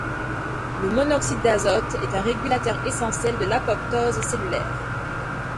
Le monoxyde d'azote est un régulateur essentiel de l'apoptose cellulaire.